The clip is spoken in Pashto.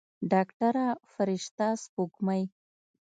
ډاکتره فرشته سپوږمۍ.